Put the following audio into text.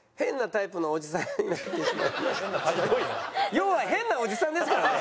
要は変なおじさんですからね。